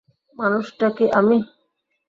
মানুষটা কি আমি?